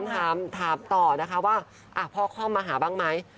ถามต่อนะคะว่าพ่อคล่อมมาหาบ้างไหม